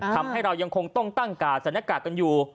ทำให้เรายังคงต้องตั้งกาดสถานการณ์กันอยู่